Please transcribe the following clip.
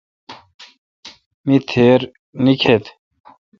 می تیر نیکیتھ۔